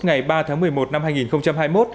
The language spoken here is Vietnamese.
ngày ba tháng một mươi một năm hai nghìn hai mươi một